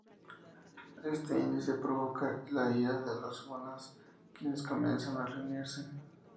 Este incidente provoca la ira de los Unas, quienes comienzan a reunirse.